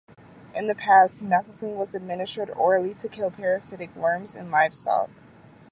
In the past, naphthalene was administered orally to kill parasitic worms in livestock.